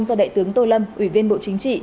do đại tướng tô lâm ủy viên bộ chính trị